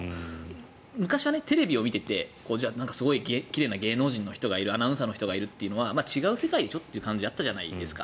昔はテレビを見ていてすごい奇麗な芸能人の人がいるアナウンサーの人がいるというのは違う世界でしょという感じがあったじゃないですか。